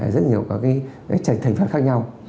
rất nhiều các trạch thành phần khác nhau